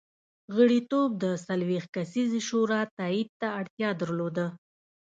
غړیتوب د څلوېښت کسیزې شورا تایید ته اړتیا درلوده